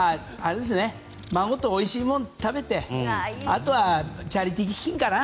孫とおいしいもの食べてあとはチャリティー基金かな。